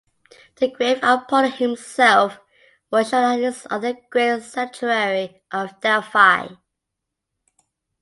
The grave of Apollo himself was shown at his other great sanctuary of Delphi.